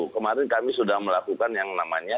kemarin kami sudah melakukan yang namanya